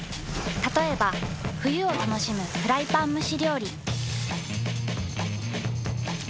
たとえば冬を楽しむフライパン蒸し料理。